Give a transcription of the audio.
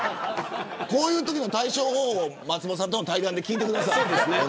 こういうときの対処方法を松本さんとの対談で聞いてください。